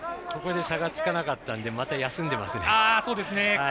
ここで差がつかなかったので休んでますね。